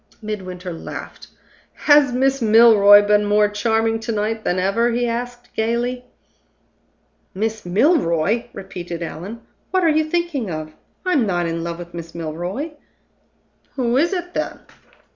Midwinter laughed. "Has Miss Milroy been more charming to night than ever?" he asked, gayly. "Miss Milroy!" repeated Allan. "What are you thinking of! I'm not in love with Miss Milroy." "Who is it, then?"